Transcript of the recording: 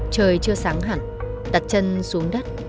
trời chưa sáng hẳn đặt chân xuống đất